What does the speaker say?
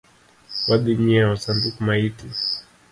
Wadhi nyieo sanduk maiti